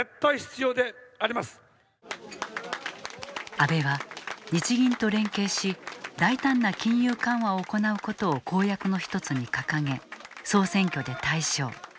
安倍は、日銀と連携し大胆な金融緩和を行うことを公約の１つに掲げ総選挙で大勝。